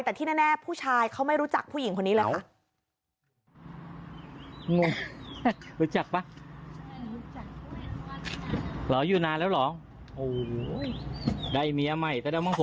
แต่ที่แน่ผู้ชายเขาไม่รู้จักผู้หญิงคนนี้เลยค่ะ